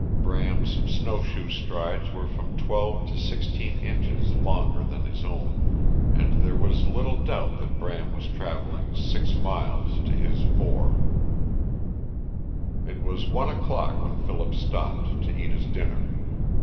Bram's snow shoe strides were from twelve to sixteen inches longer than his own, and there was little doubt that Bram was traveling six miles to his four. It was one o'clock when Philip stopped to eat his dinner.